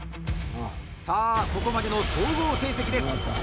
さあ、ここまでの総合成績です。